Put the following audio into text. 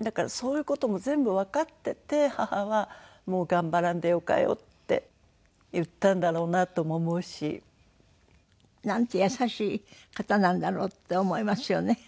だからそういう事も全部わかってて母は「もう頑張らんでよかよ」って言ったんだろうなとも思うし。なんて優しい方なんだろうって思いますよね。